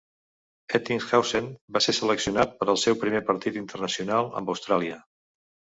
Ettingshausen va ser seleccionat per al seu primer partit internacional amb Austràlia.